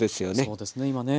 そうですね今ね。